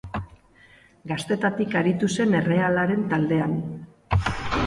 Gaztetatik aritu zen Errealaren taldean.